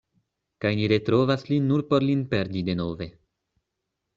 Kaj ni retrovas lin nur por lin perdi denove.